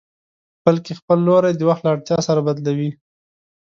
بلکې خپل لوری د وخت له اړتيا سره بدلوي.